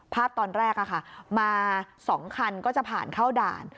ภาพตอนแรกอ่ะค่ะมาสองคันก็จะผ่านเข้าด่าน